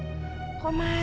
bisa ikut dengan malaysia